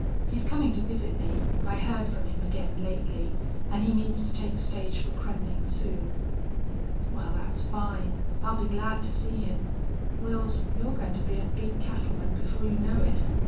He's coming to visit me. I heard from him again lately, and he means to take stage for Kremmling soon." "Wal, that's fine. I'll be glad to see him.... Wils, you're goin' to be a big cattleman before you know it.